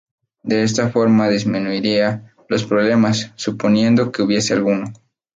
De esta forma disminuiría los problemas, suponiendo que hubiese alguno.